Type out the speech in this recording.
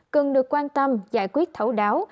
cần được quan tâm giải quyết thấu đáo